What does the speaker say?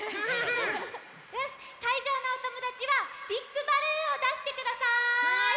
よしかいじょうのおともだちはスティックバルーンをだしてください！